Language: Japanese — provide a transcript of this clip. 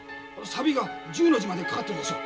さびが１０の字までかかってるでしょ？